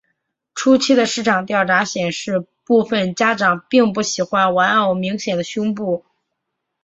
初期的市场调查显示部份家长并不喜欢玩偶明显的胸部。